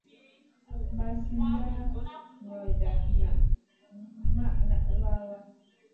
Ma sud nda nzolda nak waʼha.